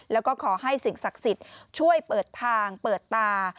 แล้วก็ขอให้สิ่งศักดิ์สิทธิ์ช่วยเปิดทางเปิดตา